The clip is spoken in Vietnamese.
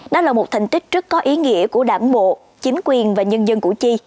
đó là một thành tích rất có ý nghĩa của đảng bộ chính quyền và nhân dân củ chi